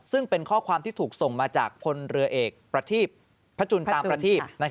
ซึ่งเป็นข้อความที่ถูกส่งมาจากพลเนือเอกพจุนตามพระพระทีพ